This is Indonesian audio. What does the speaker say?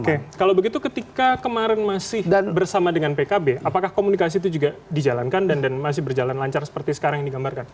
oke kalau begitu ketika kemarin masih bersama dengan pkb apakah komunikasi itu juga dijalankan dan masih berjalan lancar seperti sekarang yang digambarkan